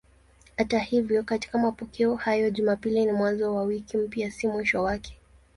Hata hivyo katika mapokeo hayo Jumapili ni mwanzo wa wiki mpya, si mwisho wake.